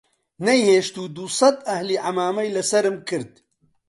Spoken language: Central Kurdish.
نەیهێشت و دووسەد ئەهلی عەمامەی لە سەرم کرد